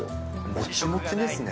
もちもちですね。